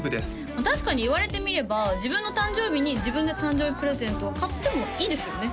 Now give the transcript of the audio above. まあ確かに言われてみれば自分の誕生日に自分で誕生日プレゼントを買ってもいいですよね？